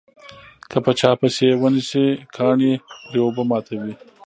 که په چا پسې یې ونسي کاڼي پرې اوبه ماتوي.